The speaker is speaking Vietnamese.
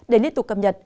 để liên tục cập nhật